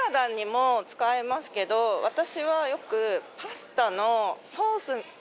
私はよく。